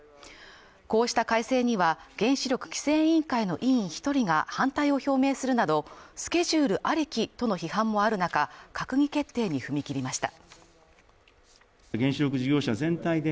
こうした改正には原子力規制委員会の委員１人が反対を表明するなどスケジュールありきとの批判もある中、閣議決定に踏み切りました。